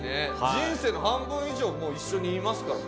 人生の半分以上もう一緒にいますからね。